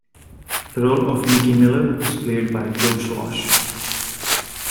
The role of Mickey Miller was played by Joe Swash.